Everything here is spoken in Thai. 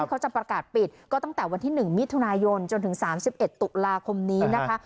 เขาจะประกาศปิดก็ตั้งแต่วันที่๑มิถุนายนจนถึง๓๑ตุลาคมนี้นะคะ